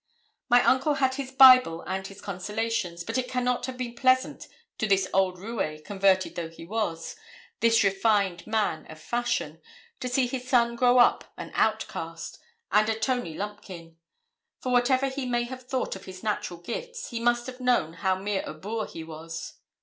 My uncle had his Bible and his consolations; but it cannot have been pleasant to this old roué, converted though he was this refined man of fashion to see his son grow up an outcast, and a Tony Lumpkin; for whatever he may have thought of his natural gifts, he must have known how mere a boor he was.